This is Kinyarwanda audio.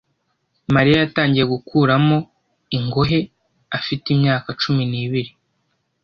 Mariya yatangiye gukuramo ingohe afite imyaka cumi n'ibiri.